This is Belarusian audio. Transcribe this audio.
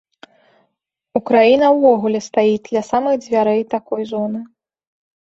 Украіна ўвогуле стаіць ля самых дзвярэй такой зоны.